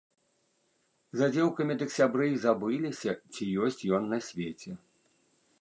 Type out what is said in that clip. За дзеўкамі дык сябры й забыліся, ці ёсць ён на свеце.